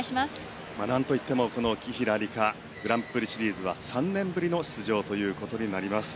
何といっても紀平梨花グランプリシリーズは３年ぶりの出場となります。